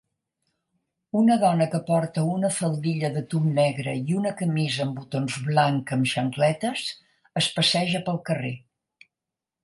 Una dona que porta una faldilla de tub negre i una camisa amb botons blanc amb xancletes es passeja pel carrer.